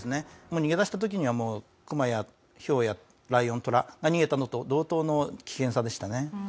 逃げ出した時にはもうクマやヒョウやライオントラが逃げたのと同等の危険さでしたね。